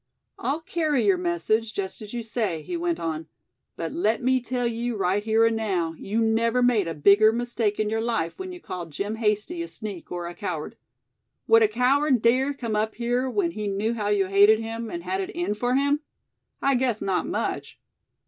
"I'll carry your message, just as you say," he went on; "but let me tell you right here and now, you never made a bigger mistake in your life when you call Jim Hasty a sneak or a coward. Would a coward dare come up here, when he knew how you hated him, and had it in for him? I guess not much.